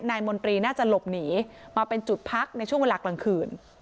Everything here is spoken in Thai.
มนตรีน่าจะหลบหนีมาเป็นจุดพักในช่วงเวลากลางคืน